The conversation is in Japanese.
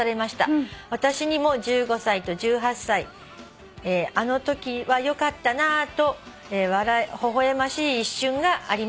「私にも１５歳と１８歳あのときはよかったなとほほ笑ましい一瞬がありました」